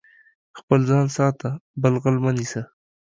خپل ځان ساته، بل غل مه نيسه.